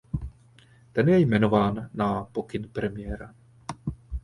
Ten je jmenován na pokyn premiéra.